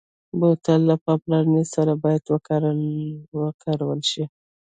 بوتل له پاملرنې سره باید وکارول شي.